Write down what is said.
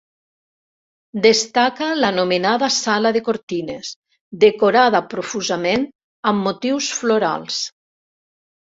Destaca l'anomenada sala de cortines, decorada profusament amb motius florals.